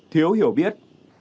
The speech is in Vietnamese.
thiếu hiểu biết